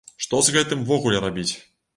Што з гэтым увогуле рабіць?